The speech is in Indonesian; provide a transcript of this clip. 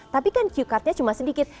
tapi kan q cardnya cuma sedikit